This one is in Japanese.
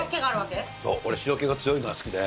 そう、俺、塩気が強いのが好きで。